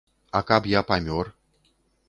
А каб я памёр?